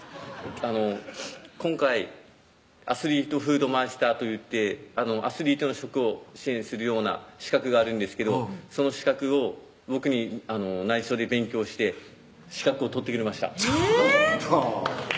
今回アスリートフードマイスターといってアスリートの食を支援するような資格があるんですけどその資格を僕にないしょで勉強して資格を取ってくれましたちょっと！